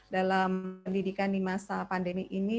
dalam pendidikan di masa pandemi ini